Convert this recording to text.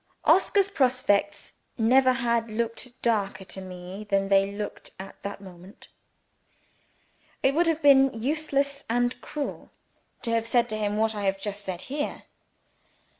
Oscar's prospects never had looked darker to me than they looked at that moment. It would have been useless and cruel to have said to him what I have just said here.